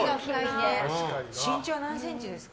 身長何センチですか？